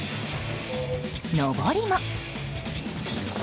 上りも。